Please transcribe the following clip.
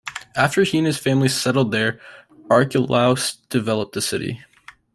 After he and his family settled there, Archelaus developed the city.